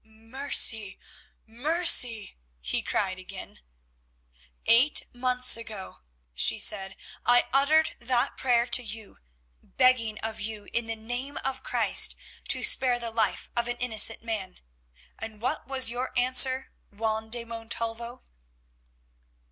"Mercy, mercy!" he cried again. "Eight months ago," she said, "I uttered that prayer to you, begging of you in the Name of Christ to spare the life of an innocent man, and what was your answer, Juan de Montalvo?"